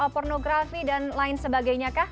pornografi dan lain sebagainya kah